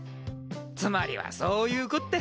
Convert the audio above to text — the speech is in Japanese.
つまりはそういうこった。